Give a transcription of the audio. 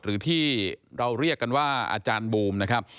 หรือที่เราเรียกกันว่าอาจารย์บูมนะครับ